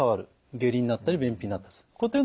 下痢になったり便秘になったりする。